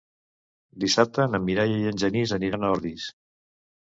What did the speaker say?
Dissabte na Mireia i en Genís aniran a Ordis.